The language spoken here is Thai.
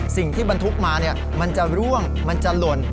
สิ่งที่บรรทุกมามันจะร่วงมันจะหล่น